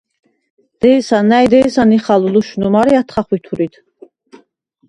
დე̄სა, ნა̈ჲ დე̄სა ნიხალ ლუშნუ, მარე ათხე ხვითვრიდ.